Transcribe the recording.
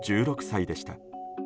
１６歳でした。